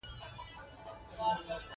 کرکه خو یوار ترې نشي کېدای.